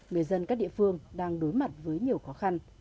người dân các địa phương đang đối mặt với nhiều khó khăn